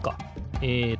えっと